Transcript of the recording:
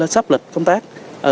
sắp lịch công tác